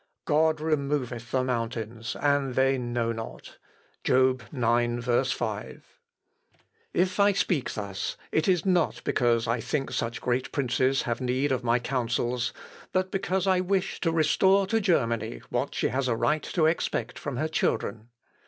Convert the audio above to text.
'God removeth the mountains, and they know not.' (Job, ix, 5.) "If I speak thus, it is not because I think such great princes have need of my counsels, but because I wish to restore to Germany what she has a right to expect from her children.